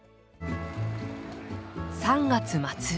３月末。